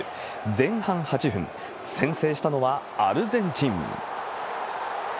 前半８分、先制したのはアルゼンチン。